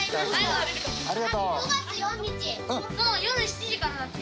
５月４日の夜７時からだって。